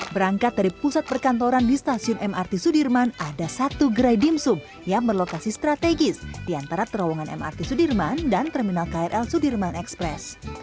berangkat dari pusat perkantoran di stasiun mrt sudirman ada satu gerai dimsum yang berlokasi strategis di antara terowongan mrt sudirman dan terminal krl sudirman express